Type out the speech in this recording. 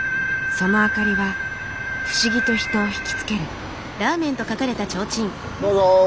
その明かりは不思議と人を引き付ける。